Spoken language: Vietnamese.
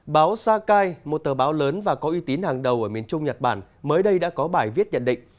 báo sakai một tờ báo lớn và có uy tín hàng đầu ở miền trung nhật bản mới đây đã có bài viết nhận định